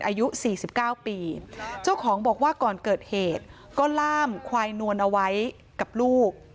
อายุ๔๙ปีเจ้าของบอกว่าก่อนเกิดเหตุก็ล่ามควายนวลเอาไว้กับลูก